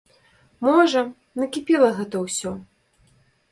Можа, накіпела гэта ўсё.